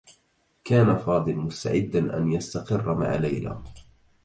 كان فاضل مستعدّا أن يستقرّ مع ليلى.